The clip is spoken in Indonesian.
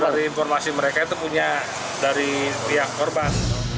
dari informasi mereka itu punya dari pihak korban